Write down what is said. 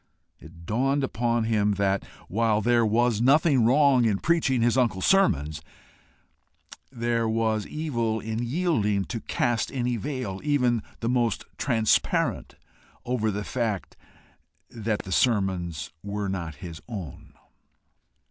It dawned upon him that, while there was nothing wrong in preaching his uncle's sermons, there was evil in yielding to cast any veil, even the most transparent, over the fact that the sermons were not his own.